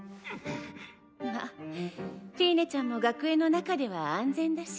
まっフィーネちゃんも学園の中では安全だし。